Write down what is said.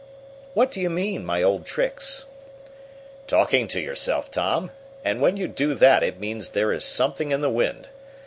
"What do you mean my old tricks?" "Talking to yourself, Tom. And when you do that it means there is something in the wind.